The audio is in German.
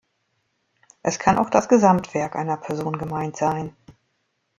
Es kann auch das Gesamtwerk einer Person gemeint sein.